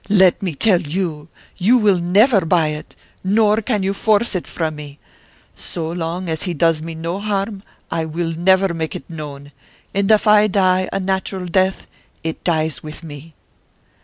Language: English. Let me tell you, you will never buy it, nor can you force it from me! So long as he does me no harm I will never make it known, and if I die a natural death, it dies with me!"